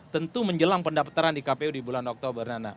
tentu menjelang pendaftaran di kpu di bulan oktober nana